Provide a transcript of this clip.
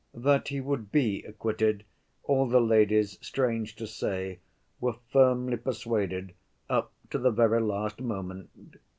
That he would be acquitted, all the ladies, strange to say, were firmly persuaded up to the very last moment.